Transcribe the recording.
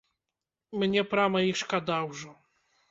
Мне прама іх шкада ўжо.